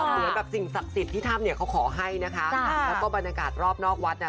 เหมือนแบบสิ่งศักดิ์สิทธิ์ที่ถ้ำเนี่ยเขาขอให้นะคะแล้วก็บรรยากาศรอบนอกวัดเนี่ย